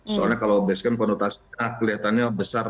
soalnya kalau base camp konotasinya kelihatannya besar